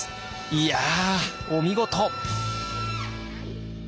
いやお見事！